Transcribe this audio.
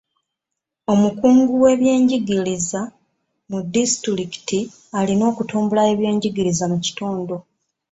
Omukungu w'ebyenjigiriza mu disitulikiti alina okutumbula ebyenjigiriza mu kitundu.